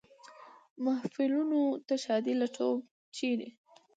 محفلونو ته ښادي لټوم ، چېرې ؟